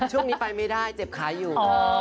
ช่วงนี้ไปไม่ได้เจ็บขาอยู่